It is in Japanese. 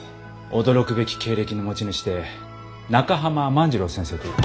驚くべき経歴の持ち主で中濱万次郎先生という。